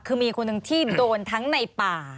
คือมีคนหนึ่งที่โดนทั้งในป่า